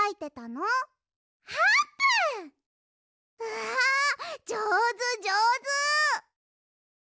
わあじょうずじょうず！